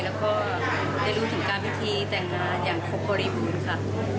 แล้วก็ได้รู้ถึงการพิธีแต่งงานอย่างครบบริบูรณ์ค่ะ